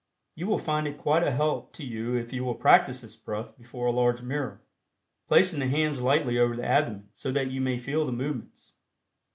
You will find it quite a help to you if you will practice this breath before a large mirror, placing the hands lightly over the abdomen so that you may feel the movements.